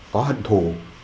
có hận thù